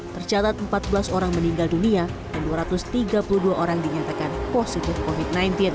tercatat empat belas orang meninggal dunia dan dua ratus tiga puluh dua orang dinyatakan positif covid sembilan belas